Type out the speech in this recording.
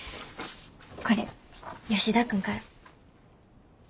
これ吉田君から。